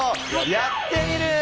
「やってみる。」。